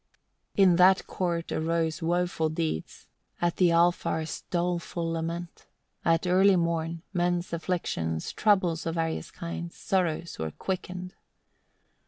1. In that court arose woeful deeds, at the Alfar's doleful lament; at early morn, men's afflictions, troubles of various kinds; sorrows were quickened.